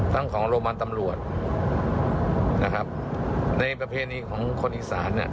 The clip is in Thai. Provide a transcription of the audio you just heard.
ทั้งของโรงพยาบาลตำรวจนะครับในประเพณีของคนอีสานเนี่ย